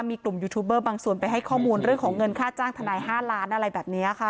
มีกลุ่มยูทูบเบอร์บางส่วนไปให้ข้อมูลเรื่องของเงินค่าจ้างทนาย๕ล้านอะไรแบบนี้ค่ะ